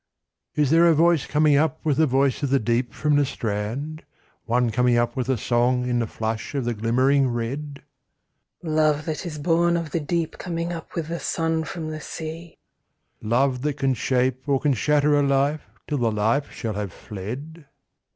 1. Is there a voice coming up with the voice of the deep from the strand. One coming up with a song in the flush of the glimmering red ? 2. Love that is born of the deep coming up with the sun from the sea. 1. Love that can shape or can shatter a life till the life shall have fled